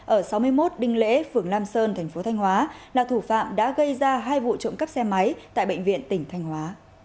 ở sáu mươi một đinh lễ phường nam sơn thành phố thanh hóa là thủ phạm đã gây ra hai vụ trộm cắp xe máy tại bệnh viện tỉnh thanh hóa